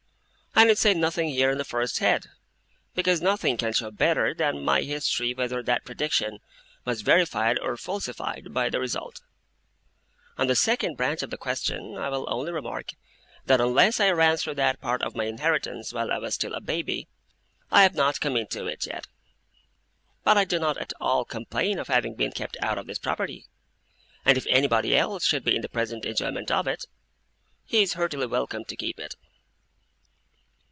I need say nothing here, on the first head, because nothing can show better than my history whether that prediction was verified or falsified by the result. On the second branch of the question, I will only remark, that unless I ran through that part of my inheritance while I was still a baby, I have not come into it yet. But I do not at all complain of having been kept out of this property; and if anybody else should be in the present enjoyment of it, he is heartily welcome to keep it.